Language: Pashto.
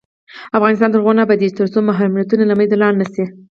افغانستان تر هغو نه ابادیږي، ترڅو محرومیتونه له منځه لاړ نشي.